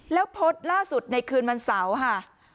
แล้วโพสต์ล่าสุดในคืนวันเสาร์ค่ะ